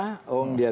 oh dia tidak berpuasa